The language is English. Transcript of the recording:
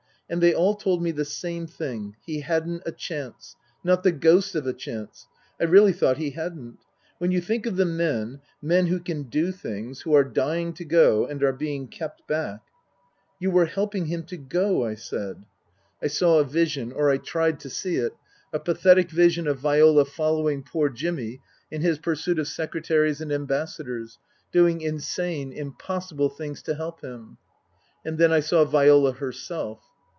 And they all told me the same thing he hadn't a chance. Not the ghost of a chance. I really thought he hadn't. When you think of the men men who can do things, who are dying to go and are being kept back "" You were helping him to go ?" I said. I saw a vision, IS 274 Tasker Jevons or I tried to see it, a pathetic vision of Viola following poor Jimmy in his pursuit of secretaries and ambassadors, doing insane, impossible things to help him. And then I saw Viola herself.